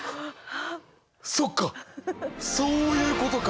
そっかそういうことか。